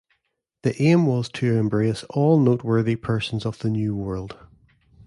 The aim was to embrace all noteworthy persons of the New World.